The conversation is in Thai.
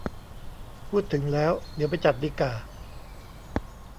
พูดถึงแล้ว เดี๋ยวไปจัดดีก่า